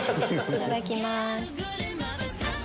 いただきます。